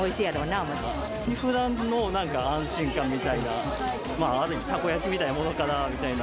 ふだんのなんか安心感みたいな、ある意味タコ焼きみたいなものかなみたいな。